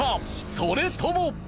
それとも。